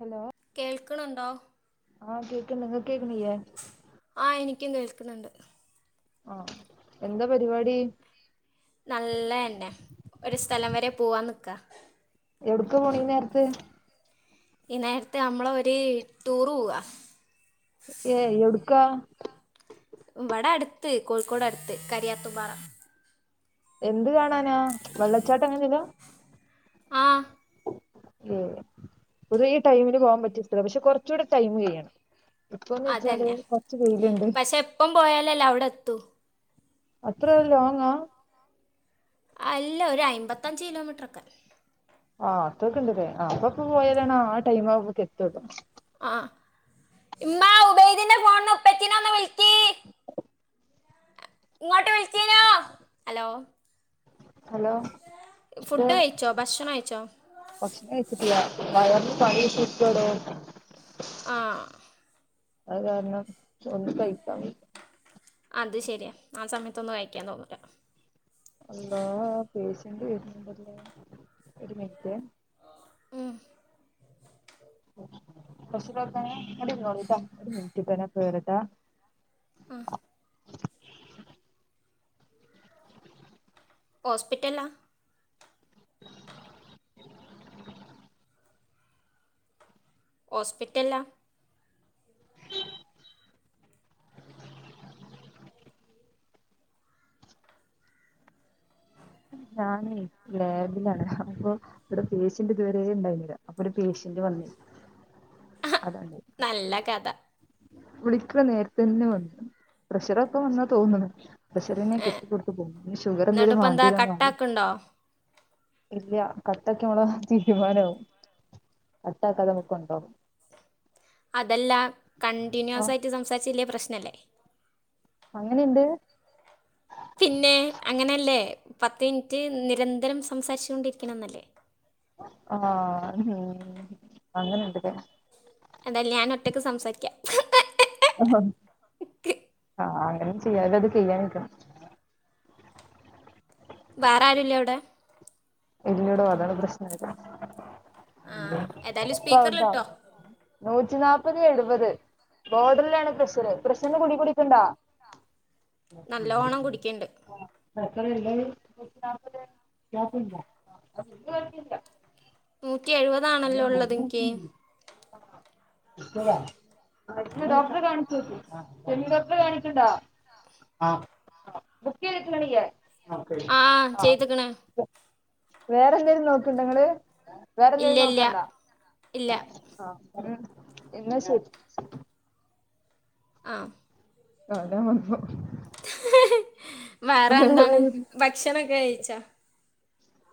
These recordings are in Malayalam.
ഹലോ കേൾക്ക്ണ് ണ്ടോ ആഹ് കേക്കണണ്ട് നിങ്ങൾക്ക് കേക്കണില്ലേ ആ എനിക്കും കേൾക്കുന്നുണ്ട് ആഹ് എന്താ പരിപാടി നല്ലതന്നെ ഒരു സ്ഥലം വരെ പോവാൻ നിക്കാ എവിടക്ക് പോണ് ഈ നേരത്ത് ഈ നേരത്തെ നമ്മളെ ഒരു ടൂറ് പോവാ ഏ എവിടുക്ക ഇവിടെ അടുത്ത് കോഴിക്കോട് അടുത്ത് കരിയാത്തുപാറ എന്ത് കാണാനാ വെള്ളച്ചാട്ട എങ്ങനിലും ആഹ് ഏ പൊതുവ ഈ ടൈമിന് പോകാൻ പറ്റിയ സ്ഥല പക്ഷെ കുറച്ച കൂടെ ടൈമിംഗ് ചെയ്യണം ഇപ്പന്ന് വെച്ചാല് അതന്നെ കൊറച്ച് കൈയിലുണ്ട് പക്ഷെ എപ്പം പോയാലല്ലേ അവിടെ എത്തൂ അത്രല്ല ലോങ്ങാ അല്ല ഒരു അയിമ്പത്തഞ്ച് കിലോമീറ്ററൊക്കെ ആഹ് അത്തൊക്കെണ്ടല്ലേ ആ അപ്പൊ ഇപ്പൊ പോയി കയാണെങ്കിൽ ആ ടൈം ആവുമ്പോൾ എത്തും ഇവിടെ ആ ഉമ്മ ഉബൈദിന്റെ ഫോണിൽ ഉപ്പറ്റനെ ഒന്ന് വിളിക്ക് ഇങ്ങോട്ട് വിളിച്ചീനോ ആ ഹലോ പേ കഴിച്ചോ ഭക്ഷണം കഴിച്ചോ ഭക്ഷണം കഴിച്ചിട്ടില്ല കായം സായഷിസ്കടെ ആഹ അത് കാരണം ഒന്ന് കഴിക്ക അത് ശരിയാ ആ സമയത്തൊന്ന് കഴിക്കാൻ തോന്നൂല അല്ലോ പേസണ്ട് വരുന്നുണ്ടല്ലേ ഒരു മിനിറ്റ് ഉം ഒര് മിനിട്ട് ഞാൻ പ്പവരട്ടാ ആഹ് ഹോസ്പിറ്റലില ഹോസ്പിറ്റല ഞാനേ ലാബിലാണ് അപ്പൊ ഇവിടെ പേഷ്യന്റ് ഇതുവരെ ഉണ്ടായിരുന്നില്ല അപ്പൊ ഒരു പേഷ്യ പ്രിന്റ് വന്നി നല്ല കഥ വിളിക്കണ നേരത്തന്നെ വന്നു പ്രഷറൊക്കെ വന്നാ തോന്നുന്നു പ്രഷറിനെ കെട്ടി കൊണ്ട് പോകും ഷുഗർ എന്തേലും വ ത കട്ടാക്ക്ണ്ടോ ഇല്ല കട്ടാക്കിയാ മ്മള് തീരുമാനവും കട്ടാ കതമ്പക്കണ്ടോ അതല്ല ആ കണ്ടിന്യുവസ് ആയിട്ട് സംസാരിച്ചലേ പ്രശ്ന അല്ലേ അങ്ങനെയുണ്ട് പിന്നെ അങ്ങനെയല്ലേ പത്ത് മിനിറ്റ് നിരന്തരം സംസാരിച്ചു കൊണ്ടിരിക്കണംന്നല്ലേ ആഹ് ഉം അങ്ങനെണ്ട്ലേ എന്തായാലും ഞാനൊറ്റക്ക് സംസാരിക്കാം ആഹ് അങ്ങനെ ചെയ്യാതെ ഇത് [unintelligible] വേറാരുല്ലേ അവടെ ഇല്ലടോ അതാണ് പ്രശ്നായാത്. ആ ഏതായാലും [unintelligible] സ്പീക്കറിലിട്ടോ റ്റിനാപ്പത് എഴുവത് ബോർഡർലാണ് പ്രഷർ പ്രഷർ ന് ഗുളിക കുടിക്ക്ണ്ടോ? നല്ലോണം കുടിക്കുന്നുണ്ട് [unintelligible] നൂറ്റി എഴ്‌വതാണല്ലോ ള്ളത് ഇൻക്ക്. ആഹ് കാണിച്ചോക്ക് ചെമ്മീൻ ഡോക്ടറെ കാണിക്കണ്ടാ ബുക്ക് ചെയ്തിക്ക്ണ് ഇയ്യ് ആഹ് ചെയ്ത്ക്ക്ണ് വേറെന്തേലും നോക്ക്ണ്ടോ ങ്ങള് ഇല്ല വേറെന്തേലും ഇല്ല നോക്കാണ്ടോ? ഇല്ല ഉം ഇന്നാ ശരി ആഹ് ആരാ വന്നു വേറെ വേറെന്താണ് ഭക്ഷണക്കെ കഴിച്ചാ?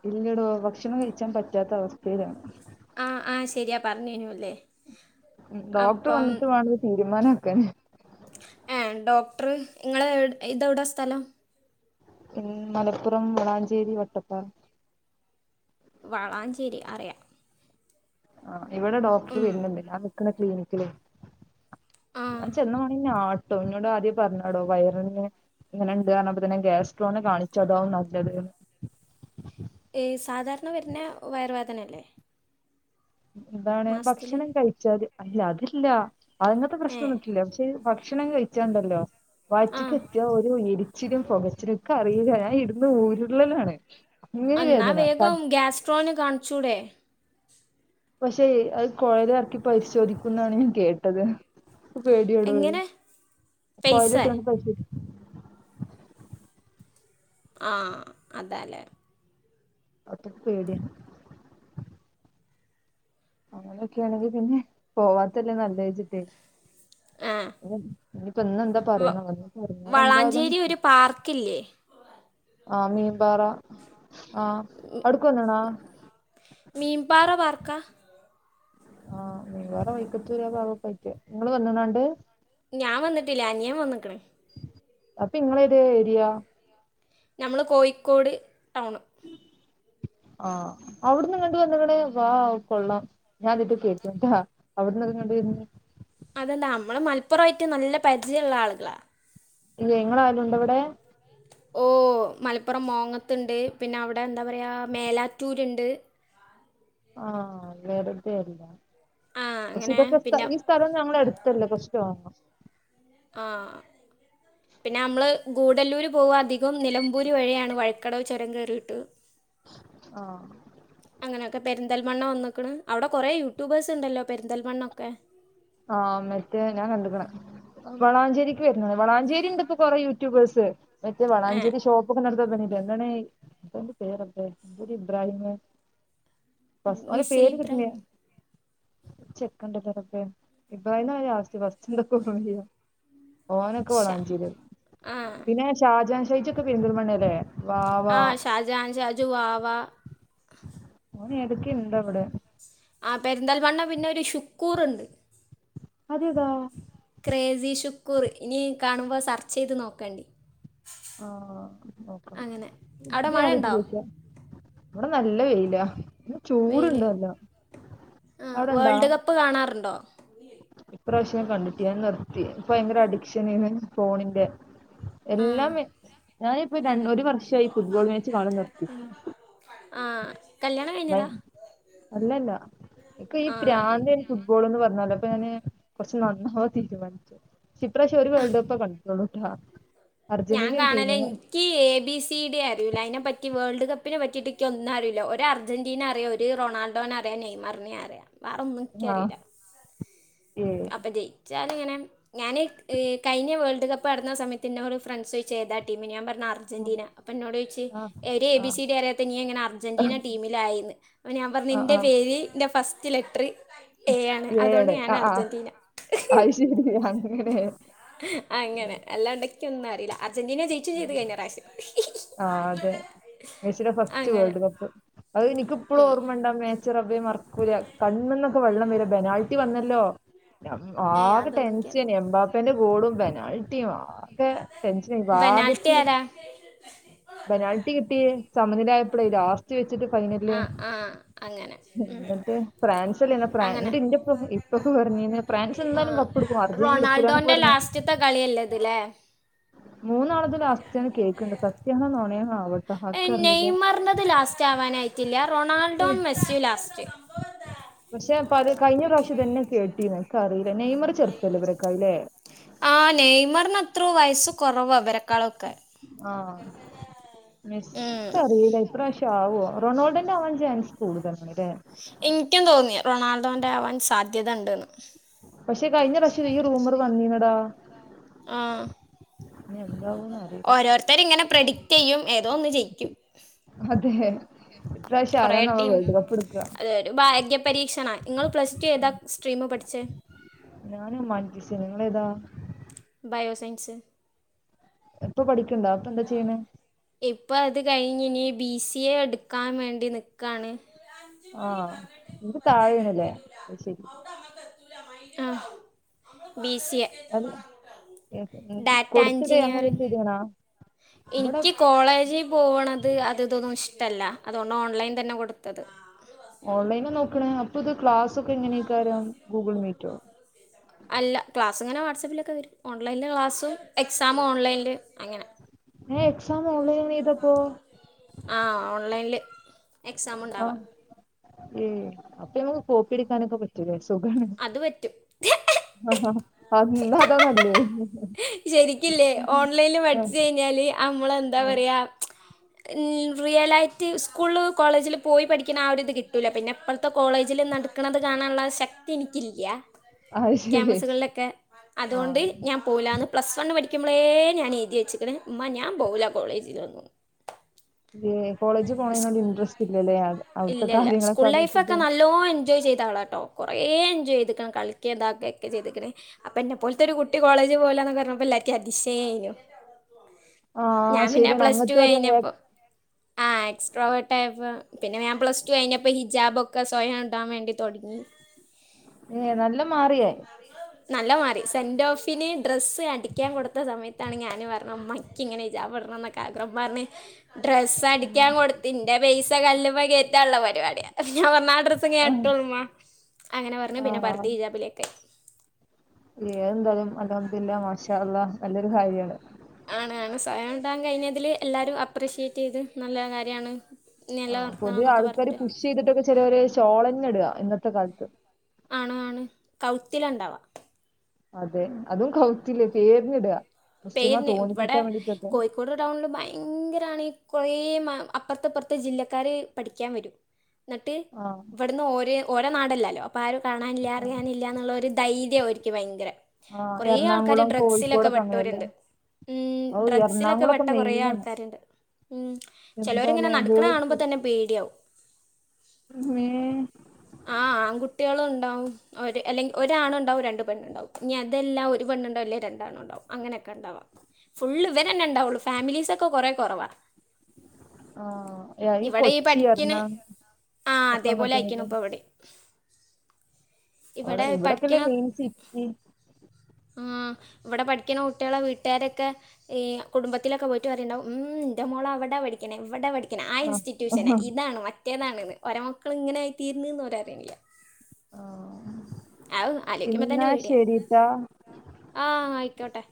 ഇല്ല്യടോ ഭക്ഷണം കഴിച്ചാൻ പറ്റാത്ത അവസ്ഥേലാണ്. ആഹ് ആഹ് ശെരിയാ പറഞ്ഞേനു അല്ലേ? ഉം ഡോക്ടർ വന്നിട്ട് വാണം ഇത് തീരുമാനക്കാന് ഏ ഡോക്ടർ ഇങ്ങളെ ഇതെവിടെ സ്ഥലം? മ് മലപ്പുറം വളാഞ്ചേരി വട്ടപ്പറ. വളാഞ്ചേരി അറിയാം. ആ് ഇവിടെ ഡോക്ടർ ഉം. വരുന്നുണ്ട് ഞാൻ നിക്കണ ക്ലിനിക് ലെനി ആ ഞാന് ചെന്ന മാണെങ്കിൽ ഞ്ഞെ ആട്ടും ഇന്നോട് ആദ്യേ പറഞ്ഞതാടോ വയറിന്ന്. ഇങ്ങനെ ണ്ട് ന്ന് പറഞ്ഞപ്പോ തന്നെ ഗ്യാസ്ട്രോ ആണ് കാണിച്ചോട്ട ന്ന് ഏ സാധാരണ വരുന്ന വയർ വേദന അല്ലേ? എന്താണ് മാസത്തിൽ ഭക്ഷണം കഴിച്ചാല് അല്ല അതില്ല അതങ്ങനത്തെ ഏ പ്രശ്‌ണോന്നുല്ല പക്ഷെ- ഭക്ഷണം കഴിച്ചണ്ടല്ലോ ആ വയറ്റക്കെത്തിയ ഒരു - ച്ചിലും പുകച്ചിലും ക്കറീല ഞാന് ഇരിന്നു ഉരുളലാണ്. അങ്ങനെ അന്നാ വേദന വേഗം ഗ്യാസ്ട്രോനെ കാണിച്ചൂടെ. പക്ഷെ അത് കോയലറക്കി പരിശോധിക്കും ന്നാണ് ഞാന് കേട്ടത്. പേടിയാടോ അഹ് എങ്ങനെ പൈസ കോയലിട്ട് പരി- ആഹ് അതാല്ലേ. അതൊക്കെ പേടിയാണ്. അങ്ങനെയൊക്കെയാണെങ്കിൽ പിന്നെ പോവാത്തല്ലേ നല്ലചിട്ടെ. ആ ഇനിപ്പോ ഇന്ന എന്താ വ- പറയാാന പറഞ്ഞാാല എന്തായാലും വളാഞ്ചേരി ഒരു പാർക്കില്ലേ ആഹ മീൻപാറ. ആ അവിട്ക്ക് വന്ന്ണോ മീംപറ വർക്ക ആഹ് നീവാറ വ ഞാൻ വന്നിട്ടില്ല അനിയൻ വന്ന്ക്കണ് അപ്പൊ ഇങ്ങളേതാ ഏരിയ? ഞ മ്മള് കോഴിക്കോട് ടൗണ്. [unintelligible] ആഹ് ഓട്ന്ന് ഇങ്ങട്ട് വന്നക്കണ് വാഹു കൊള്ളാം ഞാനാദ്യായിട്ട കേക്കന് ട്ടൊ അവിടന്ന് ഇങ്ങട്ട് വരുന്നു. പിന്നെ അതെന്താ നമ്മള് മലപ്പുറമായിട്ട് നല്ല പരിചയള്ള ആളുകളാ. ഇല്ലേ ഇങ്ങളെ ആരേലുണ്ടോ ഇവടെ. ഓ മലപ്പുറം മോങ്ങത്തുണ്ട് പിന്നെ അവിടെ എന്താ പറയാ മേലാറ്റൂരുണ്ട്. ആഹ വെറതല്ല ആ പക്ഷെ അങ്ങനെ ഇതൊക്കെ പിന്നെ ഈ സ്ഥലം ഞങ്ങ എടുത്ത് ഇല്ല കഷ ആ പിന്നെ നമ്മൾ കൂടല്ലൂർ പോവ അധികം നിലമ്പൂരി വഴിയാണ് വഴിക്കടവ് ചുരം കയറിയിട്ട് ആഹ ൊക്കെ പെന്തൽമണ്ണ വന്നക്കണ് അവിടെറെേ യൂട്യൂബേഴ്സ് ഉണ്ടല്ലോ പെരിന്തൽമണ്ണൊക്കെ വളാഞ്ചേക്ക് വരുന്നേ വളാഞ്ചേരി ഉ ഇപ്പപ്പോ കൊററെ യൂട്യൂബേഴ്സ് മറ്റേ ഏ വളാഞ്ചേരി ഷോപ്പൊക്കെ നടത്ത എന്തണ ഇന്തണ്ട് പേര്ല്ല എന്ത്രി ഇബ്രാഹിം ബ അവന്റെ മിസ്സി പേര് കിട്ടുന്ന ഇബ്രാഹിം ചെക്കണ്ട തറപ്പ ഇ ആന്ന ആസ് വസ്ന്ത പറമ ചെയ്യ ഓനൊക്കെ ഷാ വളാം അഞ്ചീരി ആ പിന്നെ ഷാജാൻ ൈച്ച ഒക്കെ പെരുന്തൽമണ്ണ അല്ലേ ആഹ് ഷാജാൻഷാജു വാ വാ ഓന എടുക്ക ഉണ്ട്വിടെ ആ പെരിന്താൽമണ്ണ പിന്നെ ഒരു ഷുക്കൂറുണ്ട് അതേതാ ക്രേസി ഷുക്കൂർ ഇനി കാണുമ്പോൾ സെർച്ച് ചെയ്ത് നോക്കണ്ടി ആഹ നോക്കണം ഇത് അവിടെ മഴ ദ്യട്ട് ഉണ്ടോ കേക്ക അവിടെ നല്ല വെയില ഇ വെയിൽ ചൂടുണ്ട നല്ലോ ആ അവിടെന്താ വേൾഡ് കപ്പ് കാണാറുണ്ടോ ഇപ്രാവശ്യം കണ്ടിട്ട് ൻ നിർത്തി ഇപ്പൊ ഭയങ്കര അഡിക്ഷൻന്ന് ഫോണിന്റെ ആ എല്ലാം ഞാനിപ്പോ ര ഒരു വർഷമായി ഫുട്ബോൾ മാച്ച് കളം നിർത്തിച്ചു ആ കല്യാണം കഴിഞ്ഞതാ അല്ലല്ല ഇക്ക ഈ ആ പ്രാന്ത ഫുട്ബോൾന്ന് പറഞ്ഞാലോ പ്പനെ കുറച്ച് നന്നാവ തീരുമാനിച്ചു ിപ്രശി അവര് വേൾഡ് കപ്പാ കണ്ടിട്ടോളൂ ട്ടാ ഞാൻ അർജന്റീനിയൻ കാണലേ ടീമ് എനിക്ക് എ ബി സിയുടെ അറിയിൂല അതിനെ പറ്റി ഇന്ക് വേൾഡ്ക്കപ്പിനെ പറ്റി ഒന്നും അറില്ലോ ഒരു അർജന്റീന അറിയാം ഒരുറൊണാൾഡോനെറിയാം നെയ്മറിനെ അറിയാം വേറെ ആ ഒന്നിക്കറിയില്ല ഏ അപ്പൊ ജയിച്ചാാല ഇങ്ങനെ ഞാന്ൻ ഈ കഴിഞ്ഞ വേൾഡ് കപ്പ് നടന്ന സമയത്ത് ഇന്നെ ഒരു ഫ്രണ്ട്സ്യി ചെയ്താ ടീമി ഞാൻ പറഞ്ഞു ആ അർജന്റീന അപ്പൊ എന്നോട് ച ആ ഒരു എ ആ ബി സി ഡങ്ങനെ അർജന്റീന ടീമില ആ ഞാൻ പറഞ്ഞ ആ നിന്റെ ആ, പേര്ന്റെ ഫസ്റ്റ് ലെറ്റർ എ ആണ് അതുകൊണ്ട് ഏഴ് ഞാൻ ആ ആ അർജന്റീന അത് ശരി അങ്ങനെ അങ്ങനെ അല്ലാണ്ടക്കെയ ഒന്നും അറിയില്ല അർജന്റീന ജയിച്ചും ചെയ്തു കഴിഞ്ഞ രാഷ്യം ആ അതെ മെസ്സിയുടെ ഫസ്റ്റ് വേൾഡ് കപ്പ് അത് എനിക്കിപ്പോഴും ഉം. ഓർമ്മയണ്ട അമ്മേ പടച്ച റബ്ബേ മറക്കൂല കണ്ണിനോക്കെ വെള്ളം വേര പെനാൽറ്റി വന്നല്ലോ ഏ ആകെ അതൊന്നും എനിക്ക് ടെൻഷൻ അറിയില്ല മ്പാപ്പെന്റെ ഗോളും പെനാൾട്ടിയും ആകെ ടെൻഷൻ പെനാൽറ്റി ആരാ ബെനാൽട്ടി കിട്ടിയ സമനിലായപ്പോഴേ ലാസ്റ്റ് വെച്ചിട്ട് ആ ഫൈനല ആ അങ്ങനെ ഉം. എന്നിട്ട് ഫ്രാൻസ്ല്ല അങ്ങനെ എന്നിട്ട് ഇയ ഇപ്പൊക്കെ പറഞ്ഞ ഫ്രാൻസ് എന്തായാലും ആഹ് കപ്പടുക്കും അർജ റൊണാൾഡോന്റെ ലാസ്റ്റത്തെ കളിയ അല്ലേത്ല്ലേ മൂന്നാളത്തെ ലാസ്റ്റ്ാണ് കേൾക്കണ്ട് സത്യാനോ നോണയാാനോ ആവട്ടെ ആർക്കറിയില്ല നെയ്മറിഞ്ഞത് ലാസ്റ്റ് ആവാനായിട്ടില്ല റൊണാൾഡോ ഏ മെസു ലാസ്റ്റ് പക്ഷെ പ കഴിഞ്ഞ പ്രാവശ്യം തന്നെ കേട്ടി നിക്ക അറിയി നെയ്മറി ചെറുപ്പല്ലേ ഇവരക്ക അല്ലേ എത്ര വയസ്സ് കുറവവാ വരക്കാളൊക്കെ ആഹ ഉം മെസ്ക്കറില്ലൈപ്രാവശ ആവോ റൊണാൾഡോന്റെ അവവാൻ ജാൻസ് കൂടുതന്നല്ലേ എനിക്കും തോന്നിയ റൊണാൾഡോന്റെ ആവാൻ സാധ്യത ഉണ്ടന്ന് പക്ഷെ കഴഞ്ഞ രഷിദ്യറൂമർ വന്നി ഇനടാ ആ ഇനി എന്താവൂന്ന് അറിയില്ല ഓരോരുത്തർ ഇങ്ങനെ പ്രഡിക്റ്റ് ചെയ്യുംഏ അതോ ഒന്ന് ജയിക്കും അതെ ഇപ്രാവശ്യം ആരാന്നാവ കൊറെട്ടീം വേൾഡ് കപ്പ് എടുക്കുക അത് ഭാഗ്യം പരീക്ഷണ നിങ്ങൾ പ്ലസ് ടു ഏതാ സ്ട്രീം പഠിച്ചേ ഞാനും മാൻറ്റീസേനി ങ്ങളേതാ ബയോസൈൻസ് ഇപ്പൊ പഠിക്ക്ണ്ടോ ഇപ്പൊ എന്താ ചെയ്യ്ണേ ഇപ്പം അത് കഴിഞ്ഞ ഇനി ബി സി എ എടുക്കാൻ വേണ്ടി നിക്കാണ് ആഹ് എനിക്ക് താഴെയണ്ല്ലേ അത് ശരി ആ ബി സി എ ഡാറ്റ കൊടുത്തടേ അങ്ങനെ എഞ്ചിനീയറിങ് എത്തിത്ണാ എനിക്ക് കോളേജിൽ പോക്ണത് അത് തൊന്നും ഇഷ് ഇഷ്ടല്ല അതുകൊണ്ട് ഓൺലൈൻ തന്നെ കൊടുത്തത് ഓൺലൈന നോക്ക്ണേ അപ്പൊ ഇത് ക്ലാസൊക്കെ എങ്ങനെയ്ക്കാരം ഗൂഗിൾ മീറ്റോ ക് അങ്ങനെ വാട്സപ്പിലൊക്കെ വരും ഓൺലൈല് ക്ലാസ്സും എക്സാമും ഓൺലൈനിൽ അങ്ങനെ ഏ എക്സാം ഓൺലൈൻ ചെയ്തപ്പോ ആ ഓൺലൈനിൽ എക്സാമു ണ്ടാവുക ഏ അപ്പൊ നമുക്ക് കോപ്പിടിക്കാനൊക്കെ പറ്റൂലേ സ് സുഖാണ് അത് പറ്റും ആ ആ ന്നതാ ന്നല്ലേ ശരിക്കല്ലേ ഓൺലൈനിൽ ആ പഠിച്ച് കഴിഞ്ഞാല് നമ്മള് എന്താ ആ പറയാ റിയലായിട്ട് സ്കൂള് കോളേജിൽ പോയി പഠിക്കുന്ന ആരി ഇത് കിട്ടൂല പിന്നെ ഇപ്പോഴത്തെ കോളേജിൽ നട്ക്ക്ണത് കാണാനുള്ള ശക്തി എനിക്കില്ല അത് ശരി ക്യാമ്പസുകളിലൊക്കെ ആ അതുകൊണ്ട് ഞാൻ പോകില്ല അന്ന് പ്ലസ് വണ് പഠുമ്പോളേ ഞാൻ എഴുതി വെച്ച്ക്ക്ണ ഉമ്മ ഞാൻ ബോല കോളേജിൽ ഒന്നും കോളജ് പോണേനോട് ഇട്രസ്റ്റ് ഇല്ലല്ലേ അത ഇല്ലല്ല സ്കൂൾ ലൈഫ് ഒക്കെ നല്ലോം എ എൻജോയ് ചെയ്ത ആളാട്ടോ കുറെേ എൻജോയ് ചെയ്ത്ക്കണം കളിക്കതക്ക ചെയ് അപ്പൊ എന്നെ പോലത്തെ ഒരു കുട്ടി കോളേ പോലന്ന് പറഞ്ഞപ്പോ എല്ലാക്കും അതിശയേനു ആ ഞാൻ പിന്നെ ശരിയാണ് പ്ലസ് ടു അങ്ങനത്തെ ഒരു ഏ കഴഞ്ഞപ്പോ ആഹ് എക്സ്ട്രോ വട്ട ആയപ്പോ പിന്നെ ഞാൻ പ്ലസ് ടു കഴിഞ്ഞപ്പ ഹിജാബൊക്കെ സ്വയം ഇടാൻ വേണ്ടി തൊടങ്ങി ഏ നല്ല മാറിയായി നല്ല മാറി സെന്റ് ഡോഫിന് ഡ്രസ്സ് അടിക്കാൻ കൊടുത്ത സമയത്താണ് ഞൻ പറഞ്ഞ മ്മയ്ക്ക് ഇങ്ങനെ ഹിജാബ് ടന്നക്കഗ്ര മ്മറിഞ്ഞ് ഡ്രസ്സ് അടിക്കാൻ കൊടുത്തിന്റെ പൈസ കല്ലുമെ കേറ്റാൻള്ള പരിപാടിയ ഞാൻ പറഞ്ഞ് ന ഫ്ലീ ആണ് ട്ടൊള്ളുമ്മാ അങ്ങനെ പറഞ്ഞു ആ പിന്നെ പർതീ ഹിജാബിലൊക്കെ ഏതെന്താലും അൽഹമ്മദില്ല മാഷള്ള അള്ള നല്ലൊരു കാര്യമാണ്. ആണ് ആണ് സ്വയം ഉണ്ടാകൻ കഴിഞ്ഞതില് എല്ലാരും അപ്രിഷിയേറ്റ് ചെയ്ത് നല്ല കാര്യാണ് ആ പൊതുവെ ആൾക്കാര് പുഷ് ചെയ്തിട്ടൊക്കെ ചെരോല് ഷോളെന്നെ ഇടുക ഇന്നത്തെ കാലത്ത് ആണാണ് കൗത്തിലണ്ടവാ അതെ അതും കൗത്തില്ലേ പേര്ന്നിടുക പേരിന് ഇവിടെ കോഴിക്കോട് ടൗണില് ഭയങ്കരാണി കുറേ അപ്പെർത്തെപ്പർത്തെ ജില്ലക്കാര് പഠിക്കാൻ വരും എന്നിട്ട് ആഹ് ഇവിടുന്ന് ഒരേ ഓരേ നാടല്ലല്ലോ അപ്പം ആരും കാണാനില്ല ആഹ് അറിയാനില്ല എന്നുള്ളൊരു ധൈര്യവുംമായിരിക്ക് ഭയങ്കര ആഹ് കൊറെേ ആൾക്കാാര് എറണാകുളം ഡ്രഗ്സിലൊക്കെ കോഴിക്കോടൊക്കെ അങ്ങനെയല്ലേ പെട്ടവരുണ്ട് ഉം ഔ ഡ്രഗ്സിലൊക്കെ എറണാകുളൊക്കെ പെട്ട കൊറേ മെയിനാണ് ആൾക്കാരുണ്ട് ഉം ചെലോരിങ്ങനെ എന്താലേ നടക്ക്ണെ കാണുമ്പോ ഗേൾസ് തന്നെ പേടിയാവും മേ കുട്ടികളും ഉണ്ടാവും ഒരു അല്ലെങ്കിൽ ഒരാണ ഉണ്ടാും രണ്ട് പെണ്ണുണ്ടാവും ഇനി അതെല്ലാ ഒരു പെണ്ണ്ണ്ടാവും ല്ലേ രണ്ടാണു ഉണ്ടാവും അങ്ങനെയൊക്കെ ഉണ്ടാവാ ഫുള്ള് ഇവരെന്നെ ഉണ്ടാവുള്ളു ഫാമിലീസൊ ക്കെ കൊറെ കുറവാ ആഹ് ഈ കൊച്ചി പഠിക്കണ എറണാ ആ ഒക്കെ അതേപോലെ അങൻത്തെന്നെ ആയിരിക്കണം ലേ ഇപ്പോൾ ഇവിടെ അവിടെ ഇവിടെ ഇവിടെക്കെല്ലെ പഠിക്കണ മെയിൻ സിറ്റി ആ ഇവിടെ പഠി പഠിക്കണുന്ന കുട്ടികളെ വീട്ടുകാരൊക്കെ ഈ കുടുംബത്തിലൊക്കെ പോയിട്ട് പറയുണ്ടാവും മ്മ് എൻ്റെ മോള് അവിടെ പഠിക്കണേ ഇവിടെ പഠിക്ക ആ ആഹ് ഇൻസ്റ്റിറ്റ്യൂഷന് ആഹ് ഇതാണ് മറ്റേതാണെന്ന് ഒരമക്കൾ ഇങ്ങനൊയി തീരന്ന്ന്ന് പറയാൻ കായല ഓ അത് ആലോചിക്കുമ്പോൾ തന്നെ [unintelligible] പേടിയാ ശരിട്ടാ ആ ആയിക്കോട്ടെ